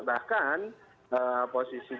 bahkan posisi gerindra akan bergabung